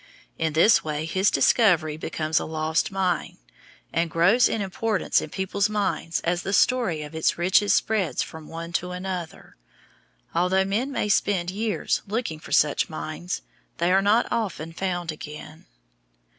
In this way his discovery becomes a "lost mine," and grows in importance in people's minds as the story of its riches spreads from one to another. Although men may spend years looking for such mines, they are not often found again.